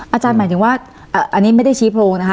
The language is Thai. อาจารย์หมายถึงว่าอันนี้ไม่ได้ชี้โพรงนะคะ